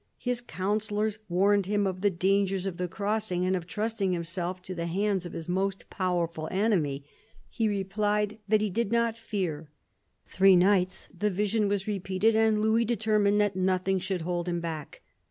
His counsellors warned him of the dangers of the crossing and of trusting himself to the hands of his most powerful enemy. He replied that he did not fear. Three nights the vision was repeated, and Louis determined that nothing should hold him back.